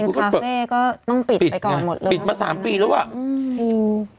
ต้องปิดไปก่อนหมดพัมธีนี้ต้อนซะอื้มปิดมาสามปีแล้วอ่ะอื้อ